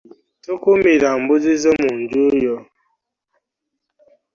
Tokumira mbuzi zo mu nju yo.